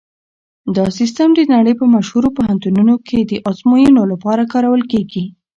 دا سیسټم د نړۍ په مشهورو پوهنتونونو کې د ازموینو لپاره کارول کیږي.